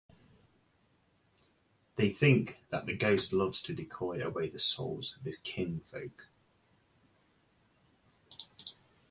They think that the ghost loves to decoy away the souls of his kinsfolk.